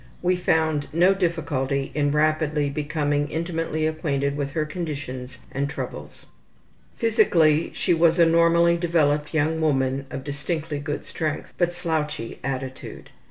We found no difficulty in rapidly becoming intimately acquainted with her conditions and troubles. Physically she was a normally developed young woman of distinctly good strength, but slouchy attitude.